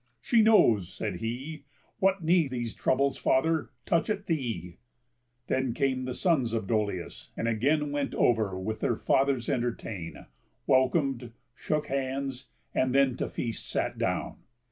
"She knows," said he, "What need these troubles, father, touch at thee?" Then came the sons of Dolius, and again Went over with their father's entertain, Welcom'd, shook hands, and then to feast sat down.